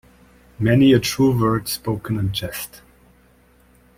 Many a true word spoken in jest.